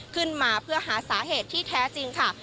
ขึ้นมาเพื่อหาสาเหตุที่แท้จริงค่ะ